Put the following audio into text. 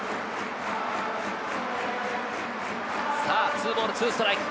２ボール２ストライク。